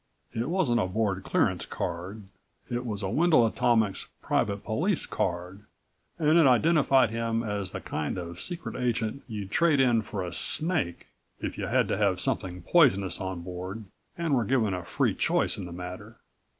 It wasn't a Board clearance card. It was a Wendel Atomics private police card and it identified him as the kind of secret agent you'd trade in for a snake if you had to have something poisonous on board and were given a free choice in the matter.